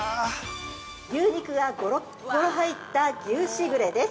◆牛肉がゴロッゴロ入った牛しぐれです。